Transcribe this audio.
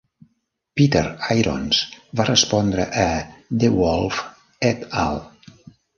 Peter Irons va respondre a DeWolf et al.